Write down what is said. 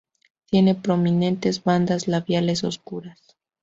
Tiene prominentes bandas labiales oscuras.